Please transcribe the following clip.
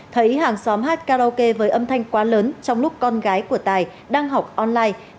thấy hàng xóm hát karaoke với âm thanh quá lớn trong lúc con gái của tài đang học online